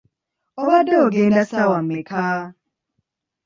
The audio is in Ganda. Obadde ogenda ssaawa mmeka?